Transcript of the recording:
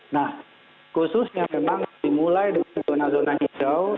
nah khususnya memang dimulai dari zona zona hijau